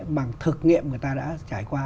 bằng thực nghiệm người ta đã trải qua